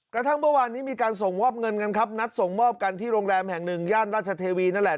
กระทั่งเมื่อวานนี้มีการส่งมอบเงินกันครับนัดส่งมอบกันที่โรงแรมแห่งหนึ่งย่านราชเทวีนั่นแหละ